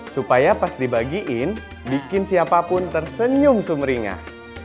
supaya pas dibagiin bikin siapapun tersenyum sumringah